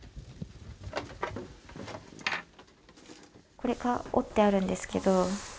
これが折ってあるんですけど。